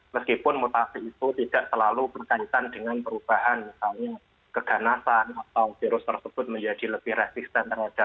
meskipun mutasi itu tidak selalu berkaitan dengan perubahan misalnya keganasan atau virus tersebut menjadi lebih resisten terhadap